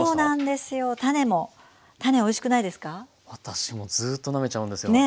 私もずっとなめちゃうんですよ。ね！